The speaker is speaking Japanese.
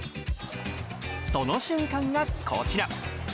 その瞬間が、こちら。